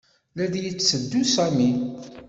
La d-yetteddu Sami.